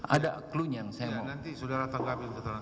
ada klunya yang saya mau